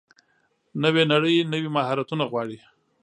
نوې نړۍ نوي مهارتونه غواړي.